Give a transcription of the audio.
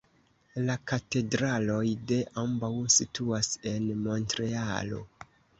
La katedraloj de ambaŭ situas en Montrealo.